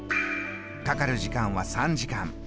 かかる時間は３時間。